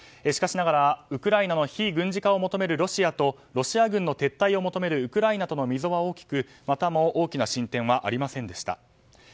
しかしながら、ウクライナの非軍事化を求めるロシアとロシア軍の撤退を求めるウクライナとの溝は大きく大きな進展はありませんでした。